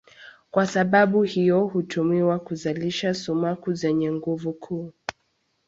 Kwa sababu hiyo hutumiwa kuzalisha sumaku zenye nguvu kuu.